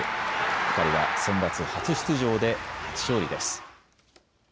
光はセンバツ初出場で初勝利です。